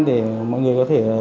để mọi người có thể